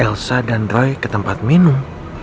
elsa dan roy ke tempat minum